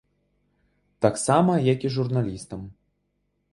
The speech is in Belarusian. Таксама, як і журналістам.